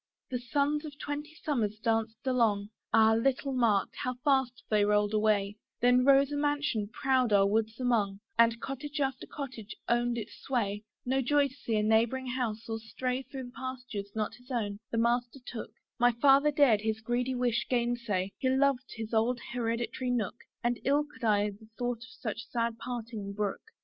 The suns of twenty summers danced along, Ah! little marked, how fast they rolled away: Then rose a mansion proud our woods among, And cottage after cottage owned its sway, No joy to see a neighbouring house, or stray Through pastures not his own, the master took; My Father dared his greedy wish gainsay; He loved his old hereditary nook, And ill could I the thought of such sad parting brook.